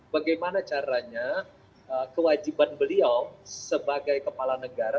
bagaimana caranya kewajiban beliau sebagai kepala negara